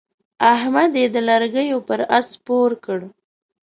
احمد يې د لرګو پر اس سپور کړ.